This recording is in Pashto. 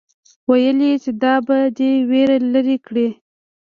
ويل يې چې دا به دې وېره لري کړي.